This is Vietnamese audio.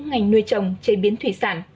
ngành nuôi trồng chế biến thủy sản